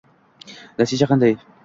Natija qanday?